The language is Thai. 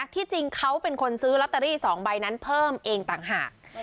ที่จริงเขาเป็นคนซื้อลอตเตอรี่๒ใบนั้นเพิ่มเองต่างหาก